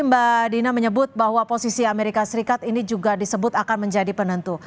mbak dina menyebut bahwa posisi amerika serikat ini juga disebut akan menjadi penentu